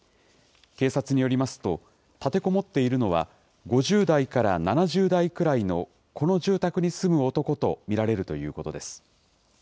警察によりますと、立てこもっているのは、５０代から７０代くらいのこの住宅に住む男と見られるということです。